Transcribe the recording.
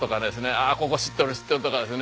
「ああここ知っとる知っとる」とかですね